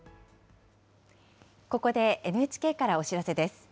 ここでＮＨＫからお知らせです。